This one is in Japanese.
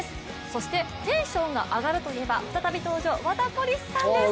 そしてテンションが上がるといえば、再び登場ワダポリスさんです！